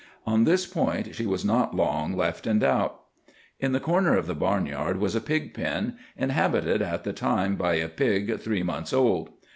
On this point she was not long left in doubt. "In the corner of the barnyard was a pig pen, inhabited at the time by a pig three months old.